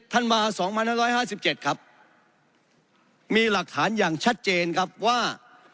ท่านมา๒๕๕๗ครับมีหลักฐานอย่างชัดเจนครับว่า